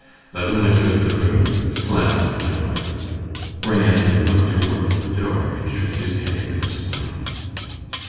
Levin went out of the room, slamming the door. Ryabinin looked towards the door and shook his head with a smile.